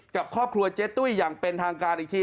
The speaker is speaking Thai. กับครอบครัวเจ๊ตุ้ยอย่างเป็นทางการอีกที